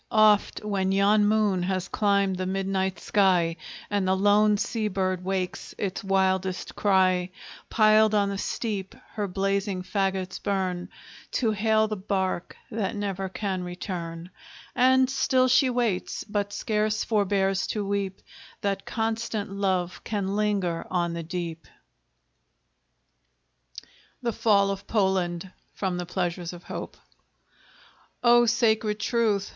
Oft when yon moon has climbed the midnight sky, And the lone sea bird wakes its wildest cry, Piled on the steep, her blazing fagots burn To hail the bark that never can return; And still she waits, but scarce forbears to weep That constant love can linger on the deep. THE FALL OF POLAND From the 'Pleasures of Hope' O Sacred Truth!